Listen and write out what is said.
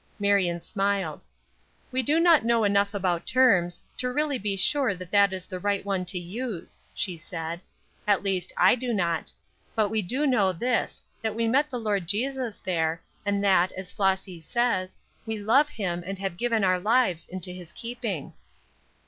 Marion smiled. "We do not know enough about terms, to really be sure that that is the right one to use," she said; "at least, I do not. But we do know this, that we met the Lord Jesus there, and that, as Flossy says, we love him, and have given our lives into his keeping."